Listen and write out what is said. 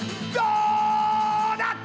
どうだ？